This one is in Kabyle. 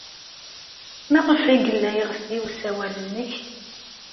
Maɣef ay yella yeɣsi usawal-nnek?